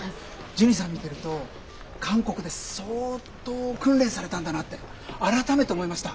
ジュニさん見てると韓国で相当訓練されたんだなって改めて思いました。